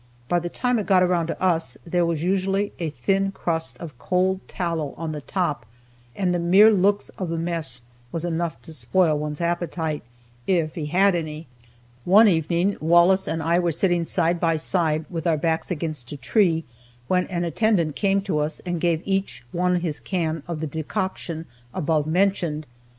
By the time it got around to us there was usually a thin crust of cold tallow on the top, and the mere looks of the mess was enough to spoil one's appetite, if he had any. One evening, Wallace and I were sitting side by side with our backs against a tree, when an attendant came to us and gave each one his can of the decoction above mentioned.